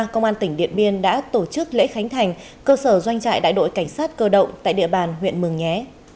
công an tỉnh điện biên đã tổ chức lễ khánh thành cơ sở doanh trại đại đội cảnh sát cơ động tại địa bàn huyện mường nhé